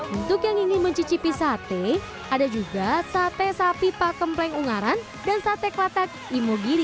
untuk yang ingin mencicipi sate ada juga sate sapi pakempleng ungaran dan sate klatak imogiri